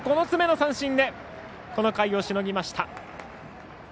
９つ目の三振でこの回をしのぎました。